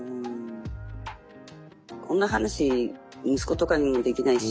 こんな話息子とかにもできないし。